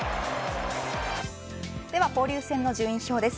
では交流戦の順位表です。